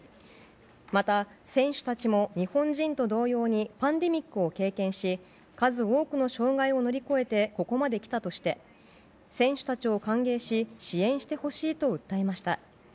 また、選手たちも日本人と同様にパンデミックを経験し数多くの障害を乗り越えてここまで来たとして選手たちを歓迎し支援してほしいと訴えました。